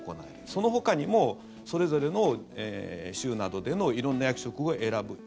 そのほかにもそれぞれの州などでの色んな役職を選ぶ。